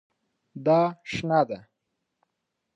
دا شنه ده